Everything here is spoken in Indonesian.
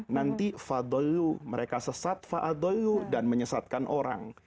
nanti fa'dollu mereka sesat fa'dollu dan menyesatkan orang